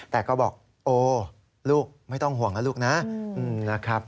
แต่ก็บอกโอ้ลูกไม่ต้องห่วงนะลูกนะนะครับ